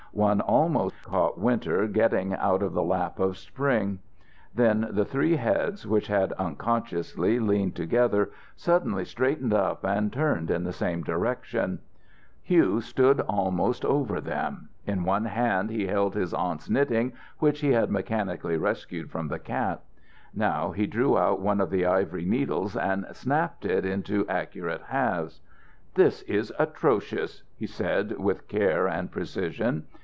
One almost caught Winter getting out of the lap of Spring. Then the three heads which had unconsciously leaned together suddenly straightened up and turned in the same direction. Hugh stood almost over them. In one hand he held his aunt's knitting, which he had mechanically rescued from the cat. Now he drew out one of the ivory needles and snapped it into accurate halves. "This is atrocious!" he said, with care and precision.